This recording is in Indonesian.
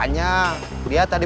tasik tasik tasik